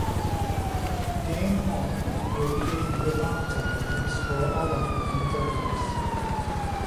Y gêm hon yw'r gêm gyfartal heb sgôr olaf yn y gyfres.